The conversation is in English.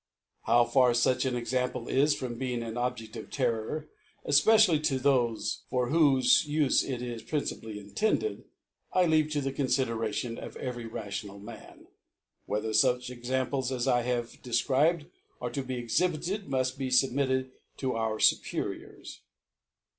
How far fuch an Example is from being an Obje^ of Terror, efpecially to thofe for i^hofe Ufe it is ptinciplly intended, I leave to the Confidera^tion of every rational Man ; whether fuch Examples as I have defcribed are proper to be exhibited muft be fubmit ted to our Superiors.